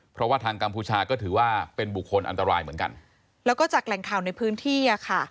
เพราะว่าทางกัมพูชาก็ถือว่าเป็นบุคคลอันตรายเหมือนกันแล้วก็จากแหล่งข่าวในพื้นที่อ่ะค่ะ